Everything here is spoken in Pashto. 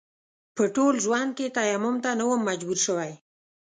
په ټول ژوند کې تيمم ته نه وم مجبور شوی.